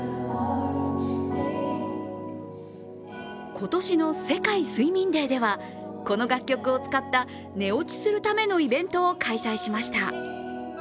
今年の睡眠デーでは、この楽曲を使った寝落ちするためのイベントを開催しました。